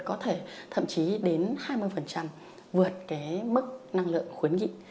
có thể thậm chí đến hai mươi vượt cái mức năng lượng khuyến nghị